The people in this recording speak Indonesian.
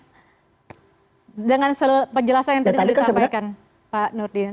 oh dengan penjelasan yang tadi sudah disampaikan pak nur